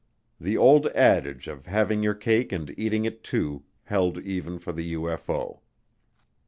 The old adage of having your cake and eating it, too, held even for the UFO.